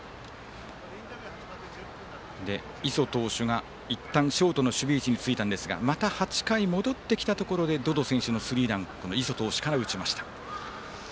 磯投手がいったん、ショートの守備位置についたんですがまた８回、戻ってきたところで百々選手のスリーラン磯投手から打ちました。